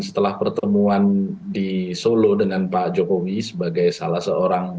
setelah pertemuan di solo dengan pak jokowi sebagai salah seorang